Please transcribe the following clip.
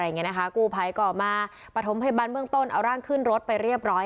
อย่างเงี้ยนะคะกูภัยก่อมาประถมพยาบาลเมืองต้นเอาร่างขึ้นรถไปเรียบร้อย